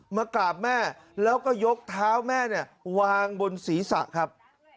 มากราบแม่แล้วก็ยกเท้าแม่เนี่ยวางบนศีรษะครับ